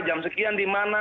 jam sekian di mana